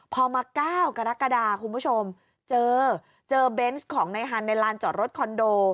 พอมา๙กรกฎาคุณผู้ชมเจอเจอเบนส์ของในฮันในลานจอดรถคอนโด